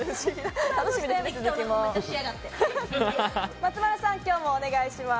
松丸さん、今日もお願いします。